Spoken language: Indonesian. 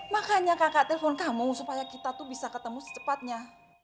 makanya kakak telepon kamu supaya kita tuh bisa ketemu secepatnya